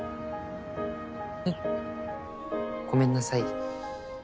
えっ？ごめんなさい。